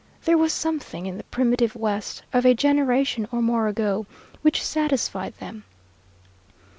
There was something in the primitive West of a generation or more ago which satisfied them.